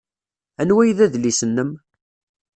Anwa ay d adlis-nnem?